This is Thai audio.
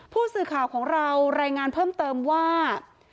ผู้สื่อข่าวของเรารายงานเพิ่มเติมว่า